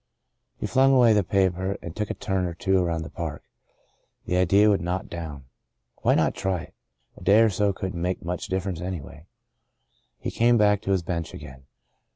He flung away the paper, and took a turn or two around the park. The idea would not down. Why not try it ? A day or so couldn't make much difference anyway. He Into a Far Country 75 came back to his bench again.